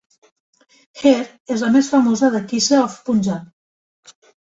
"Heer" és la més famosa de "Quissa of Punjab".